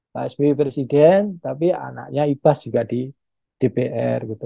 pak sby presiden tapi anaknya ibas juga di dpr gitu